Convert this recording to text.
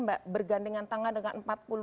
bergandengan tangan dengan